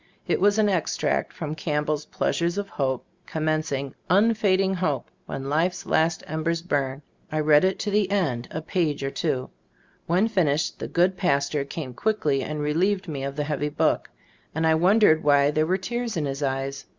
It was an extract from Campbell's Pleasures of Hope," commencing, Unfading hope, when life's last em 46 Cbe Stone of A? CW Iftbood bers burn." I read it to the end, a page or two. When finished, the good pas tor came quickly and relieved me of the heavy book, and I wondered why there were tears in his eyes.